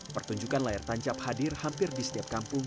pertunjukan layar tancap hadir hampir di setiap kampung